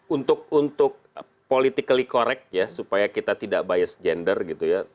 untuk politically correct ya supaya kita tidak bias gender gitu ya